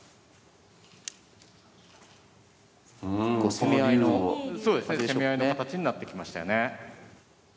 攻め合いの形になってきましたよね。